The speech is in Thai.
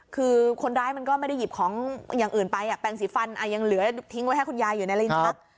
คือคนร้ายมันก็ไม่ได้หยิบของอย่างอื่นไปแปลงสีฟันยังเหลือทิ้งไว้ให้คุณยายอยู่ในลิ้นชัก